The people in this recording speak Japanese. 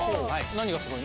何がすごいの？